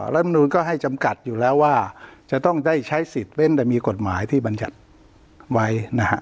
รัฐมนุนก็ให้จำกัดอยู่แล้วว่าจะต้องได้ใช้สิทธิ์เว้นแต่มีกฎหมายที่บรรยัติไว้นะฮะ